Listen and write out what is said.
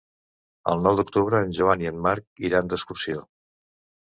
El nou d'octubre en Joan i en Marc iran d'excursió.